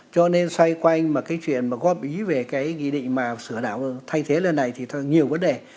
cho nên xoay quanh mà cái chuyện mà góp ý về cái ghi định mà sửa đảo thay thế lên này thì nhiều vấn đề